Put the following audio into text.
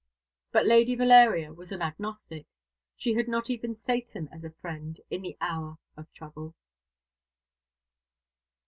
But Lady Valeria was an agnostic. She had not even Satan as a friend in the hour of trouble.